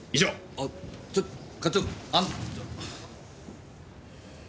あちょっ課長あの。